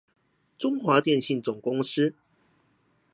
中華電信總公司